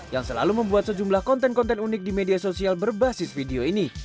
yang selalu membuat sejumlah konten konten unik di media sosial berbasis video ini